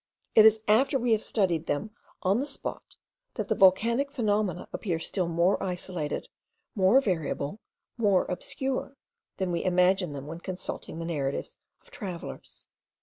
It is after we have studied them on the spot, that the volcanic phenomena appear still more isolated, more variable, more obscure, than we imagine them when consulting the narratives of travellers.